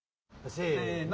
せの。